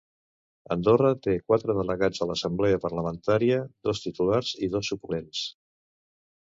Andorra té quatre delegats a l’assemblea parlamentària, dos titulars i dos suplents.